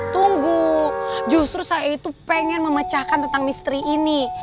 tunggu justru saya itu pengen memecahkan tentang misteri ini